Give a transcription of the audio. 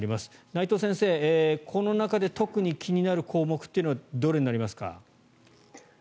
内藤先生、この中で特に気になる項目というのはどれになりますか？